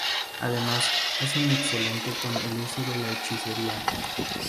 Además, es un excelente con el uso de la hechicería.